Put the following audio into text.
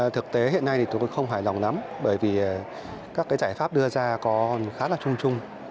thực tế hiện nay thì tôi không hài lòng lắm bởi vì các cái giải pháp đưa ra có khá là trung trung